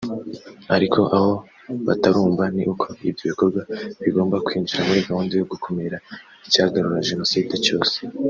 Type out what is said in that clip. Ariko aho batarumva ni uko ibyo bikorwa bigomba kwinjira muri gahunda yo gukumira icyagarura genocide cyose